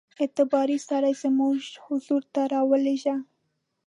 اعتباري سړی زموږ حضور ته را ولېږه.